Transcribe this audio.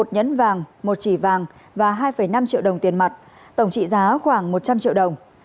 một nhẫn vàng một chỉ vàng và hai năm triệu đồng tiền mặt tổng trị giá khoảng một trăm linh triệu đồng